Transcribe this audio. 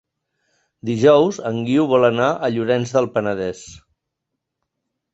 Dijous en Guiu vol anar a Llorenç del Penedès.